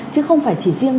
chứ không phải chỉ riêng